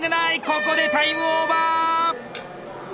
ここでタイムオーバー！